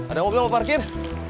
ada mobil mau parkir